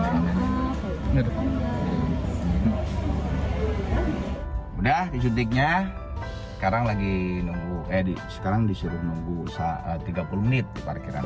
sudah disuntiknya sekarang disuruh nunggu tiga puluh menit di parkiran